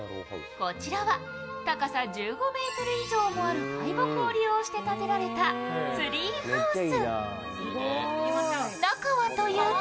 こちらは高さ１５ｍ以上もある大木を利用して建てられたツリーハウス。